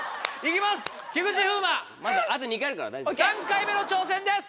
３回目の挑戦です。